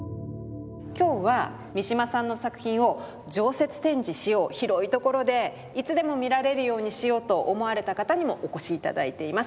今日は三島さんの作品を常設展示しよう広い所でいつでも見られるようにしようと思われた方にもお越し頂いています。